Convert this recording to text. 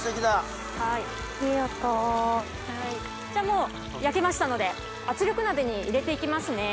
もう焼けましたので圧力鍋に入れて行きますね。